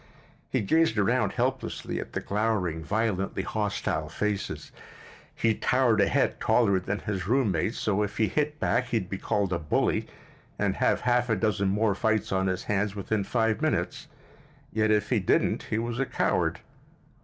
He gazed around helplessly at the glowering, violently hostile faces. He towered a head taller than his roommate, so if he hit back he'd be called a bully and have half a dozen more fights on his hands within five minutes; yet if he didn't he was a coward.